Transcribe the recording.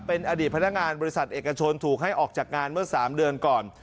เป็นอดีตพนักงานบริษัทเอกชนถูกให้ออกจากงานเมื่อ๓เดือนก่อน